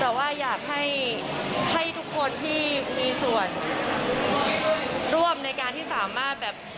แต่ว่าอยากให้ทุกคนที่มีส่วนร่วมในการที่สามารถแบบ